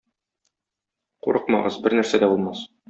Курыкмагыз, бернәрсә дә булмас.